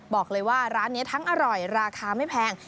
บอกเลยว่าร้านนี้ทั้งอร่อยราคาไม่แพง